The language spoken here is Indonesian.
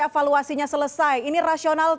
evaluasinya selesai ini rasional